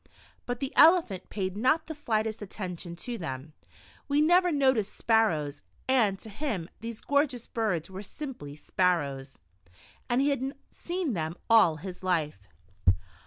But the Elephant paid not the slightest attention to them. We never notice sparrows, and to him these gorgeous birds were simply sparrows, and he had seen them all his life.